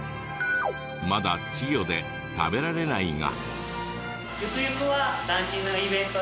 まだ稚魚で食べられないが。